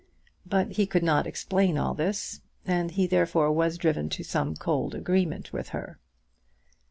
But he could not explain all this, and he therefore was driven to some cold agreement with her.